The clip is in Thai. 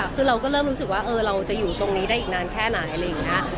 คือเราก็เริ่มรู้สึกว่าเราจะอยู่ตรงนี้ได้อีกนานแค่ไหนอะไรอย่างนี้